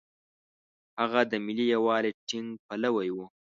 هغه د ملي یووالي ټینګ پلوی و.